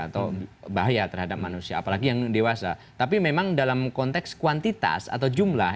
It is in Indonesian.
atau bahaya terhadap manusia apalagi yang dewasa tapi memang dalam konteks kuantitas atau jumlah